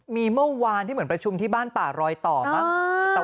มีเมื่อวานที่เหมือนประชุมที่บ้านป่ารอยต่อมั้ง